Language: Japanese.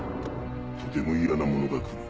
とても嫌なものが来る。